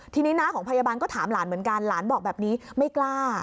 ทีนี้น้าของพยาบาลก็ถามหลานเหมือนกันหลานบอกแบบนี้ไม่กล้า